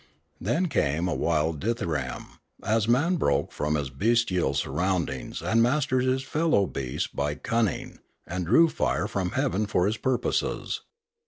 Then came a wild dithyramb, as man broke from his bestial surroundings, and mastered his fellow beasts by cunning, and drew fire from heaven for his purposes.